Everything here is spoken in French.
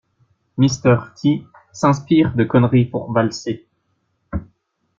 Mister T s'inspire de conneries pour valser!